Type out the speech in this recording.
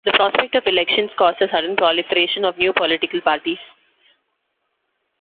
The prospect of elections caused a sudden proliferation of new political parties.